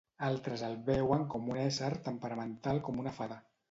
Altres el veuen com un ésser temperamental com una fada.